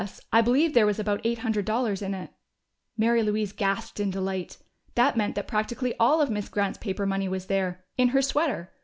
I believe there was about eight hundred dollars in it." Mary Louise gasped in delight. That meant that practically all of Miss Grant's paper money was there in her sweater!